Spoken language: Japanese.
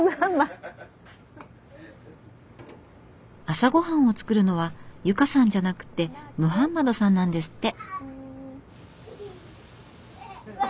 朝ごはんを作るのは由佳さんじゃなくてムハンマドさんなんですって。